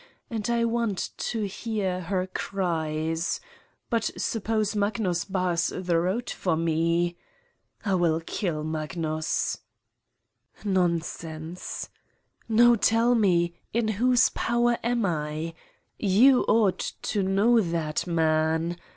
... and I want to hear her cries ! But suppose Magnus bars the road for me ? I will kill Magnus. Nonsense. No, tell me, in whose power am If You ought to know that man?